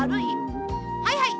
はいはい。